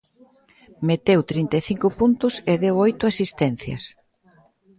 Meteu trinta e cinco puntos e deu oito asistencias.